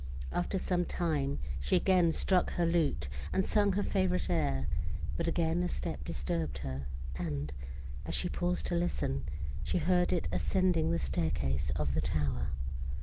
After some time, she again struck her lute, and sung her favourite air; but again a step disturbed her, and, as she paused to listen, she heard it ascending the staircase of the tower.